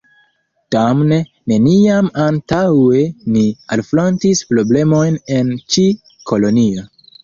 Damne, neniam antaŭe ni alfrontis problemojn en ĉi kolonio.